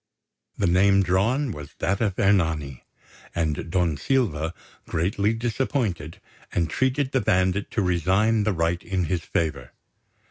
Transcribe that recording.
The name drawn was that of Ernani; and Don Silva, greatly disappointed, entreated the bandit to resign the right in his favour.